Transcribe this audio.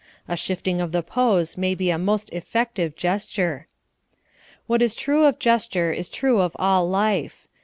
A shifting of the pose may be a most effective gesture. What is true of gesture is true of all life.